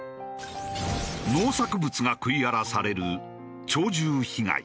農作物が食い荒らされる鳥獣被害。